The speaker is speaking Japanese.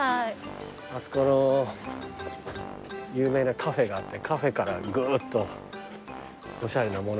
あそこの有名なカフェがあってカフェからぐーっとおしゃれなものができてね